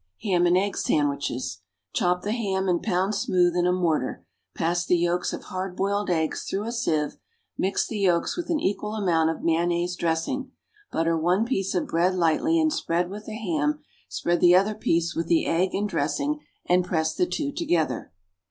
=Ham and Egg Sandwiches.= Chop the ham and pound smooth in a mortar; pass the yolks of hard boiled eggs through a sieve; mix the yolks with an equal amount of mayonnaise dressing. Butter one piece of bread lightly and spread with the ham, spread the other piece with the egg and dressing, and press the two together.